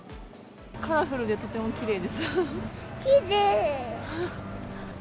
カラフルでとてもきれいです。